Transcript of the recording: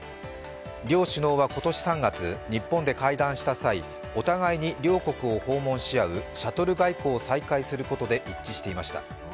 両首脳は今年３月、日本で会談した際、お互いに両国を訪問し合うシャトル外交を再開することで一致していました。